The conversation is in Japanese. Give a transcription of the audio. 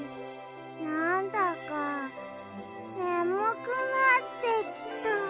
なんだかねむくなってきた。